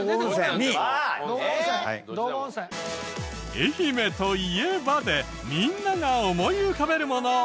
愛媛といえばでみんなが思い浮かべるもの。